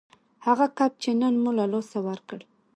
هغه کب چې نن مو له لاسه ورکړ